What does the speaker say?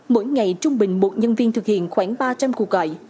mỗi ngày trung bình một nhân viên thực hiện khoảng ba trăm linh cuộc gọi